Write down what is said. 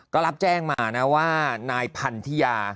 ก็รับแจ้งมานะว่านายพันธิยา